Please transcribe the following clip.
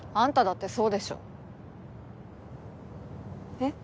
えっ？